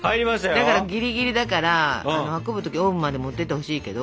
だからギリギリだから運ぶ時オーブンまで持っていってほしいけど。